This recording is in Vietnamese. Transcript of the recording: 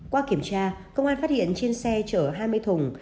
qua kiểm tra công an phát hiện trên xe chở hai mươi thùng